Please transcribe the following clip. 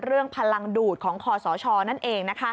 เรื่องพลังดูดของคอสชนั่นเอง